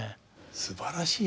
すばらしいね。